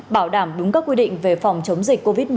bảo đảm đúng các quy định về phòng chống dịch covid một mươi chín